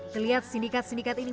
terlihat sindikat sindikat ini